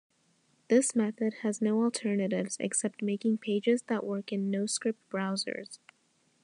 This method has no alternatives, except making pages that work in noscript browsers.